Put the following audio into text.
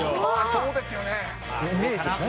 そうですよね。